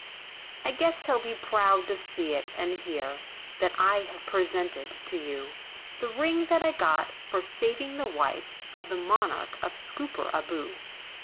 "I guess he'll be proud to see it, and hear, That I have presented to you, The ring that I got, for savin' the wife, Of the Monarch of Scooperaboo.